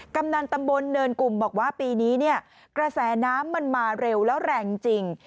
กำนันตำบลเนินกลุ่มบอกว่าปีนี้เนี่ยกระแสน้ำมันมาเร็วแล้วแรงจริง